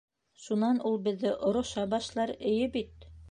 Шунан ул беҙҙе ороша башлар, эйе бит?